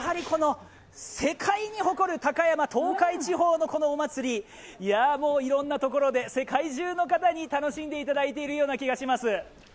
世界に誇る高山、東海地方のこのお祭り、いやもういろんなところで世界中の人に楽しんでいただいているような気がします。